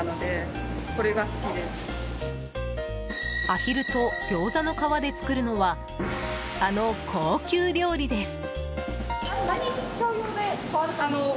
アヒルとギョーザの皮で作るのはあの高級料理です。